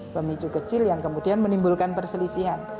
pemicu kecil yang kemudian menimbulkan perselisihan